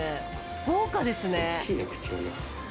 豪華ですね。